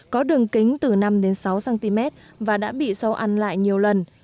có đường kính từ năm đến sáu cm và đã bị sâu ăn lại nhiều lần